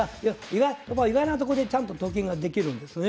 意外なとこでちゃんとと金ができるんですね。